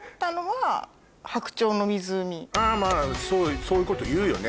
まぁそういうこと言うよね